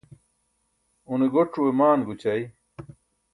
une goc̣ue maan goćai